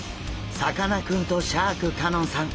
さかなクンとシャーク香音さん